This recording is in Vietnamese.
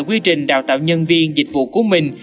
quy trình đào tạo nhân viên dịch vụ của mình